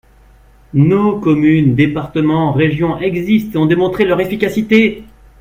Nos communes, départements, régions existent et ont démontré leur efficacité.